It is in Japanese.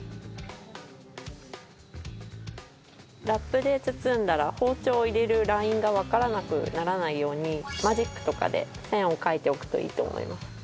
ラップで包んだら包丁を入れるラインがわからなくならないようにマジックとかで線を書いておくといいと思います。